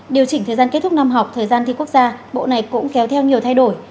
điều chỉnh thời gian kết thúc năm học thời gian thi quốc gia bộ này cũng kéo theo nhiều thay đổi